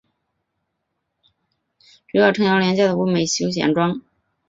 主要销售价廉物美的休闲装。